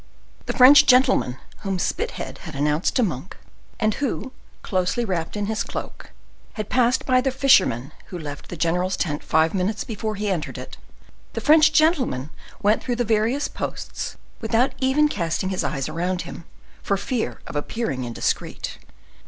The French gentleman whom Spithead had announced to Monk, and who, closely wrapped in his cloak, had passed by the fishermen who left the general's tent five minutes before he entered it,—the French gentleman went through the various posts without even casting his eyes around him, for fear of appearing indiscreet.